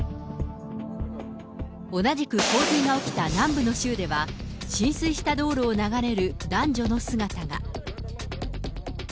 同じく洪水が起きた南部の州では、浸水した道路を流れる男女の姿が。